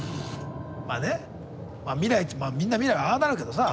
まあね未来ってみんな未来はああなるけどさ。